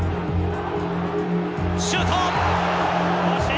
シュート！